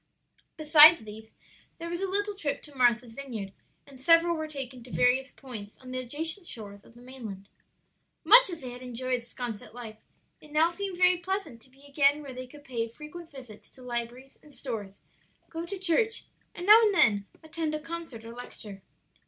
Besides these, there was a little trip to Martha's Vineyard, and several were taken to various points on the adjacent shores of the mainland. Much as they had enjoyed 'Sconset life, it now seemed very pleasant to be again where they could pay frequent visits to libraries and stores, go to church, and now and then attend a concert or lecture.